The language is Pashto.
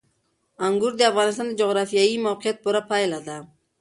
انګور د افغانستان د جغرافیایي موقیعت پوره پایله ده.